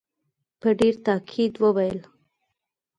په ډېر تاءکید وویل.